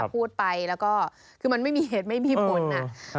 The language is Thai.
พูดไปแล้วก็คือมันไม่มีเหตุไม่มีผล